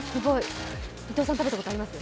伊藤さん、食べたことあります？